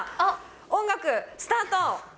音楽スタート。